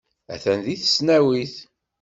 Atan deg tesnawit.